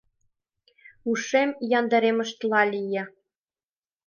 Ушем яндарештмыла лие.